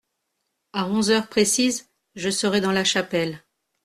À onze heures précises je serai dans la chapelle.